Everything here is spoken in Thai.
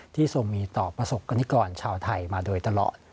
ทรงมีต่อประสบกรณิกรชาวไทยมาโดยตลอด